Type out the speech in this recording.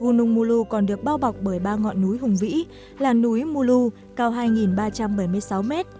gunung mulu còn được bao bọc bởi ba ngọn núi hùng vĩ là núi mulu cao hai ba trăm linh m hai